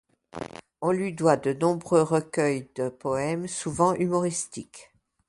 On lui doit de nombreux recueils de poèmes souvent humoristiques.